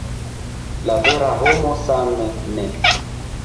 La vera homo same ne.